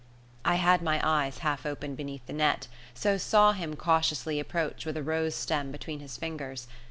I had my eyes half open beneath the net, so saw him cautiously approach with a rose stem between his fingers.